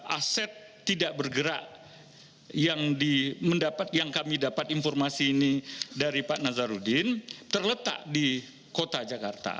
aset tidak bergerak yang kami dapat informasi ini dari pak nazarudin terletak di kota jakarta